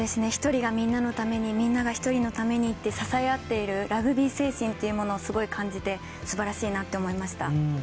１人がみんなのためにみんなが１人のためにって、支え合っている、ラグビー精神というものをすごい感じてすばらしいなって思いました。